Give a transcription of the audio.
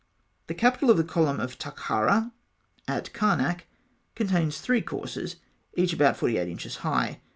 The capital of the column of Taharka at Karnak contains three courses, each about 48 inches high.